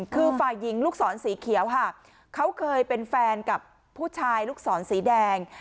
คือฝ่ายหญิงลูกศรสีเขียวค่ะเขาเคยเป็นแฟนกับผู้ชายลูกศรสีแดง